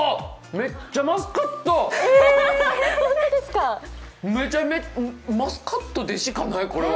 めちゃめちゃマスカットでしかない、これは。